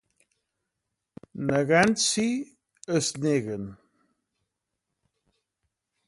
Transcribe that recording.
Negant-s'hi es neguen.